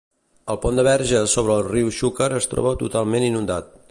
El pont de Verges sobre el riu Xúquer es troba totalment inundat.